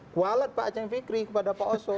kualet pak aceh fikri pada pak oso